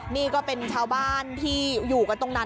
นี่ก็เป็นชาวบ้านที่อยู่กันตรงนั้น